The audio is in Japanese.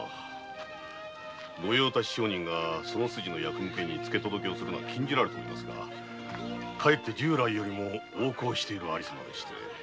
御用達商人のその筋への付け届けは禁じられておりますがかえって従来よりも横行している有様でして。